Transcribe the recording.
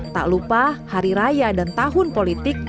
tak lupa hari raya dan tahun politik